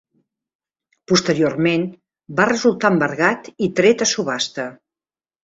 Posteriorment, va resultar embargat i tret a subhasta.